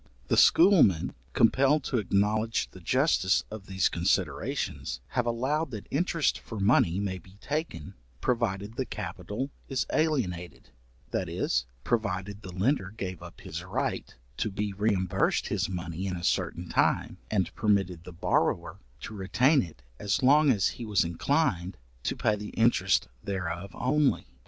The schoolmen, compelled to acknowledge the justice of these considerations, have allowed that interest for money may be taken, provided the capital is alienated, that is, provided the lender gave up his right to be reimbursed his money in a certain time, and permitted the borrower to retain it as long as he was inclined to pay the interest thereof only.